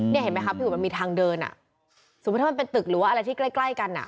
เห็นไหมคะพี่อุ๋ยมันมีทางเดินอ่ะสมมุติถ้ามันเป็นตึกหรือว่าอะไรที่ใกล้ใกล้กันอ่ะ